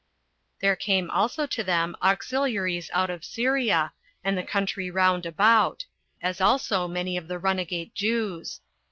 There came also to them auxiliaries out of Syria, and the country round about; as also many of the runagate Jews.